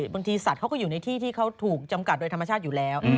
สัตว์เขาก็อยู่ในที่ที่เขาถูกจำกัดโดยธรรมชาติอยู่แล้ว